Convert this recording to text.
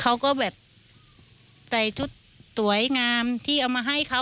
เขาก็แบบใส่ชุดสวยงามที่เอามาให้เขา